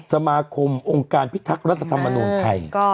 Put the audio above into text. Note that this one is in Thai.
สมาคมองค์การพิทักษ์รัฐธรรมนูลไทย